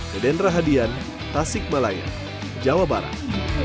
pembelian hadiah tasik malaya jawa barat